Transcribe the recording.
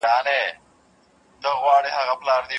په حضوري زده کړه کي د استاد غبرګون سمدستی وي.